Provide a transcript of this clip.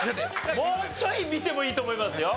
もうちょい見てもいいと思いますよ。